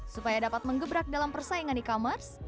supaya dapat mengebrak dalam persaingan e commerce